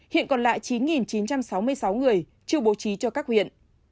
hiện còn lại chín chín trăm sáu mươi sáu người chưa bố trí cho các huyện